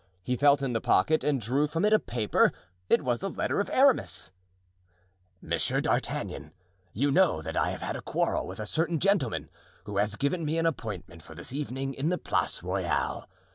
He felt in the pocket and drew from it a paper; it was the letter of Aramis: "Monsieur D'Artagnan: You know that I have had a quarrel with a certain gentleman, who has given me an appointment for this evening in the Place Royale.